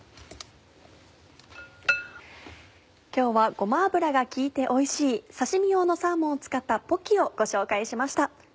今日はごま油が効いておいしい刺身用のサーモンを使ったポキをご紹介しました。